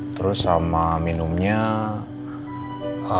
terus sama minumnya